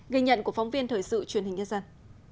ghi nhận của phóng viên thời sự truyền hình nhân dân